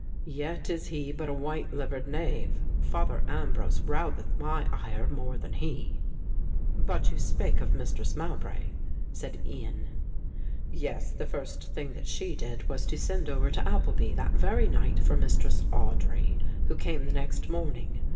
Yet is he but a white livered knave. Father Ambrose rouseth my ire more than he." "But you spake of Mistress Mowbray," said Ian. "Yes, the first thing that she did was to send over to Appleby that very night for Mistress Audry, who came the next morning.